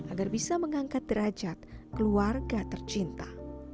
agar bisa mengangkat derajat keluarga tercinta